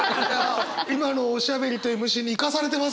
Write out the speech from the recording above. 今のおしゃべりとＭＣに生かされてますね！